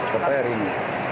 sampai hari ini